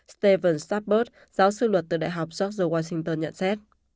stephen sartbert giáo sư luật từ đại học george washington nhận xét